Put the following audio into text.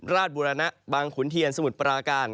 บุรณะบางขุนเทียนสมุทรปราการ